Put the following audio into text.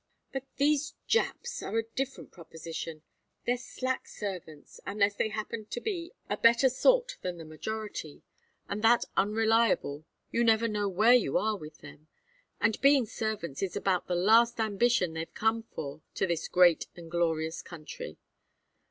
"But these Japs are a different proposition. They're slack servants, unless they happen to be a better sort than the majority, and that unreliable you never know where you are with them. And being servants is about the last ambition they've come for to this great and glorious country.